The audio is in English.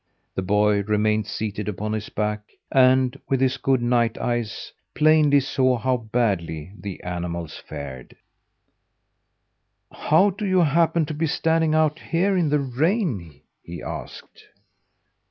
The boy remained seated upon his back, and, with his good night eyes, plainly saw how badly the animals fared. "How do you happen to be standing out here in the rain?" he asked.